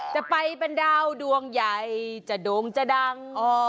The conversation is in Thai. จะไปเป็นดาวดวงใหญ่จะโด่งจะดัง